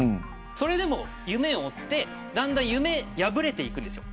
それでも夢を追ってだんだん夢破れていくんです。